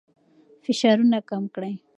فشارونه کم کړئ.